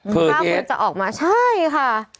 ถ้าคุณจะออกมาใช่ค่ะ